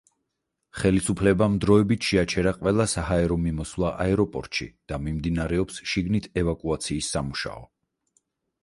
ხელისუფლებამ დროებით შეაჩერა ყველა საჰაერო მიმოსვლა აეროპორტში და მიმდინარეობს შიგნით ევაკუაციის სამუშაო.